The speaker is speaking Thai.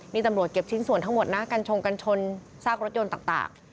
นี่ตำรวจเก็บชิ้นส่วนทั้งหมดนะกัญชงกันชนซากรถยนต์ต่าง